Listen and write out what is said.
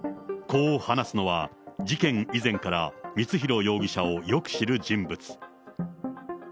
こう話すのは、事件以前から光弘容疑者をよく知る人物。